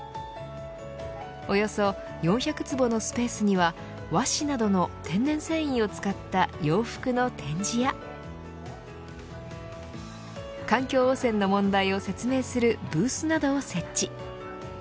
およそ４００坪のスペースには和紙などの天然繊維を使った洋服の展示や環境汚染の問題を説明するブースなどを設置。